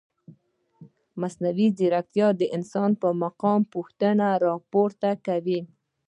مصنوعي ځیرکتیا د انسان د مقام پوښتنه راپورته کوي.